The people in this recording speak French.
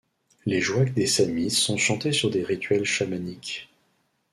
Les joiks des Samis sont chantés sur des rituels chamaniques.